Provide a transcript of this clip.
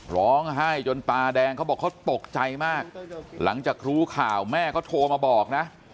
ร้องไห้จนตาแดงเขาบอกเขาตกใจมากหลังจากรู้ข่าวแม่เขาโทรมาบอกนะ